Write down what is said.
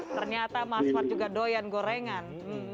ternyata mas fad juga doyan gorengan